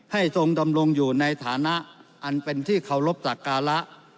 ทรงดำรงอยู่ในฐานะอันเป็นที่เคารพสักการะ